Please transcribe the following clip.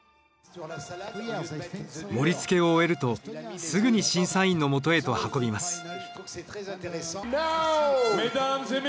盛りつけを終えるとすぐに審査員のもとへと運びます。